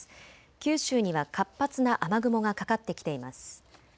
九州には活発な雨雲がかかってきています。